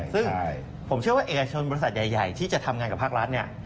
ซึ่งผมเชื่อว่าเอกชนบริษัทใหญ่ที่จะทำงานกับภาครัฐเนี่ย